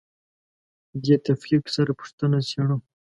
دې تفکیک سره پوښتنه څېړو.